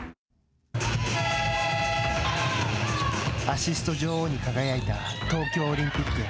アシスト女王に輝いた東京オリンピック。